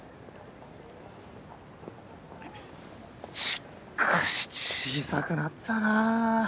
しっかし小さくなったな。